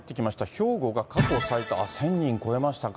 兵庫が過去最多、１０００人超えましたか。